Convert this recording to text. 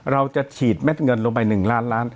เราจะฉีดเม็ดเงินลงไป๑ล้านล้าน